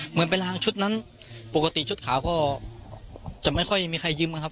เหมือนไปล้างชุดนั้นปกติชุดขาวก็จะไม่ค่อยมีใครยืมนะครับ